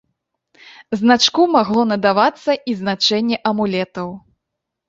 Значку магло надавацца і значэнне амулетаў.